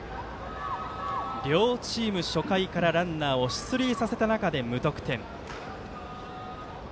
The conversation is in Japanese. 両チーム、初回からランナーを出塁させた中で無得点。